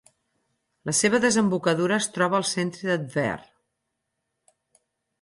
La seva desembocadura es troba al centre de Tver.